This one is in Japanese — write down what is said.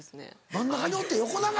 真ん中に折って横長？